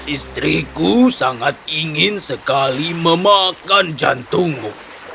istriku sangat ingin sekali memakan jantungku